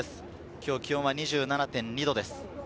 今日、気温は２７．２度です。